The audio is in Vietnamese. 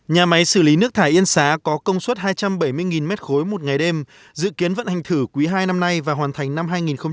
nhà máy xử lý nước thải yên xá có công suất hai trăm bảy mươi m ba một ngày đêm dự kiến vận hành thử quý hai năm nay và hoàn thành năm hai nghìn hai mươi